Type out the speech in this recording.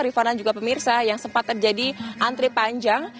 rifana dan juga pemirsa yang sempat terjadi antri panjang